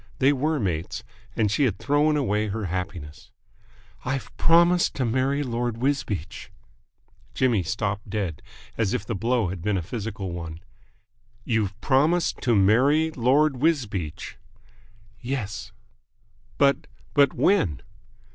They were mates, and she had thrown away her happiness. "I've promised to marry Lord Wisbeach!" Jimmy stopped dead, as if the blow had been a physical one. "You've promised to marry Lord Wisbeach!" "Yes." "But but when?"